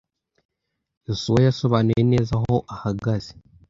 Yosuwa yasobanuye neza aho ahagaze.